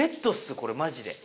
これマジで。